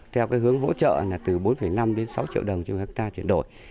theo cái hướng hỗ trợ là từ bốn năm đến sáu triệu đồng cho người ta chuyển đổi